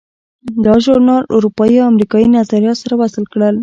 دا ژورنال اروپایي او امریکایي نظریات سره وصل کړل.